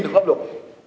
được pháp luật